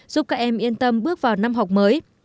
giúp các em yên tâm bước vào năm học mới